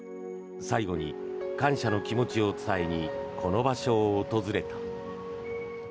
最後に感謝の気持ちを伝えにこの場所を訪れた。